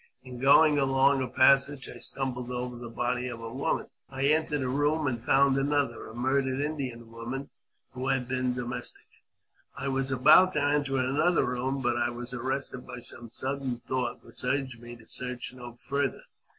In going along a passage, I stumbled over the body of a woman ; I entered a room, and found another, a murdered Indian woman, who had been a domestic. I was about to enter another room, but I was arrested by some sudden thought which urged me to search no farther.